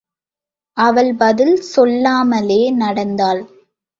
அவள் பதில் சொல்லாமலே நடந்தாள்.